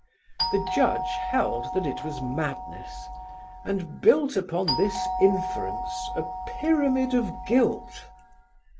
The Judge held that it was madness, and built upon this inference a pyramid of guilt.